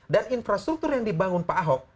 infrastruktur yang dibangun pak ahok